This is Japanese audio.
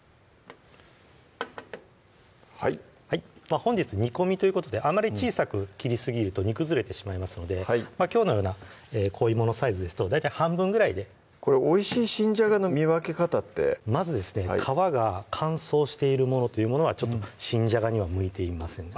はいはい本日煮込みということであまり小さく切りすぎると煮崩れてしまいますのできょうのような小芋のサイズですと大体半分ぐらいでこれおいしい新じゃがの見分け方ってまず皮が乾燥しているものというものは新じゃがには向いていませんね